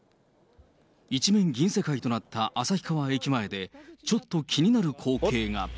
一面銀世界となった旭川駅前で、ちょっと気になる光景が。